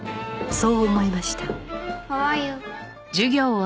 そう思いました